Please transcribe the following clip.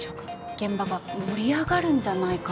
現場が盛り上がるんじゃないかと。